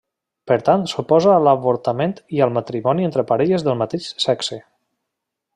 Per tant, s'oposa a l'avortament i al matrimoni entre parelles del mateix sexe.